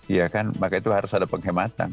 iya kan maka itu harus ada penghematan